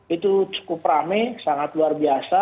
itu cukup rame sangat luar biasa